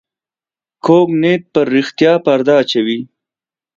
کوږ نیت پر رښتیا پرده واچوي